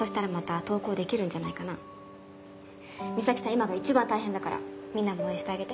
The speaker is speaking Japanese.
今が一番大変だからみんなも応援してあげて。